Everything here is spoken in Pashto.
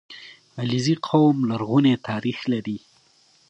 • علیزي قوم لرغونی تاریخ لري.